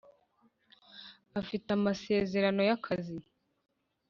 Afite amasezerano y’akazi